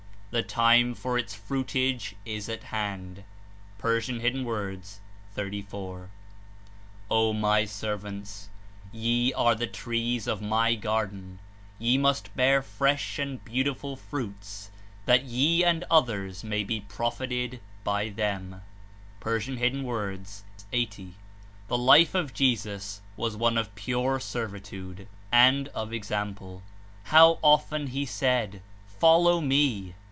The time for its fruitage is at hand.'' (P. 34.) ^'O My Servants! Ye are the trees of my Garden; ye must bear fresh and beautiful fruits, that ye and others may be profited by them/' (P. 80.) The life of Jesus was one of pure servitude, and of example; how often He said "Follow Me."